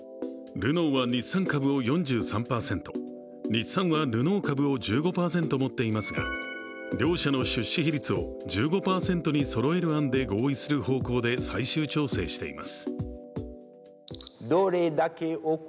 ルノーは日産株を４３％日産はルノー株を１５％持っていますが両社の出資比率を１５％にそろえる案で合意する方向で最終調整しています。